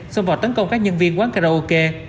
xông vào tấn công các nhân viên quán karaoke